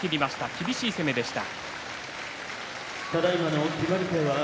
厳しい攻めでした。